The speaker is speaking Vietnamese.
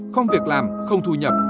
không việc làm không thu nhập